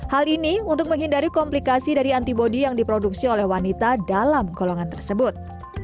hal ini untuk menghindari komplikasi dari antibody yang diproduksi oleh wanita dalam golongan tersebut